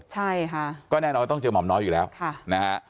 ใช่ค่ะก็แน่นอนว่าต้องเจอหม่อมน้อยอยู่แล้วนะฮะ